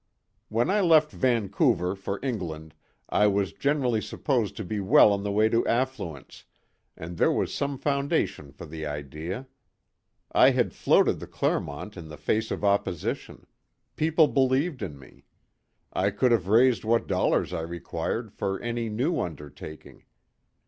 "When I left Vancouver for England, I was generally supposed to be well on the way to affluence, and there was some foundation for the idea. I had floated the Clermont in the face of opposition; people believed in me; I could have raised what dollars I required for any new undertaking.